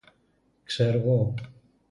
Ξέρω γω;